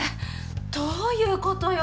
どういうことよ？